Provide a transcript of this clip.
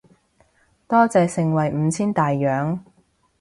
多謝盛惠五千大洋